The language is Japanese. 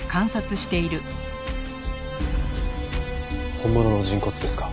本物の人骨ですか？